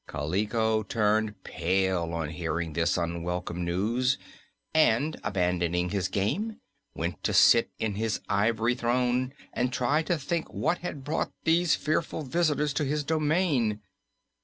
Kaliko turned pale on hearing this unwelcome news and, abandoning his game, went to sit in his ivory throne and try to think what had brought these fearful visitors to his domain.